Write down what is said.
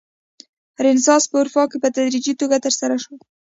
رنسانس په اروپا کې په تدریجي توګه ترسره شو.